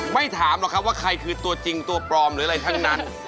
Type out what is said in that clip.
ไม่ถามหรอกครับว่าใครคือตัวจริงตัวปลอมหรืออะไรทั้งนั้น